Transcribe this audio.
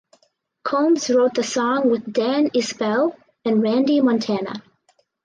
Combs wrote the song with Dan Isbell and Randy Montana.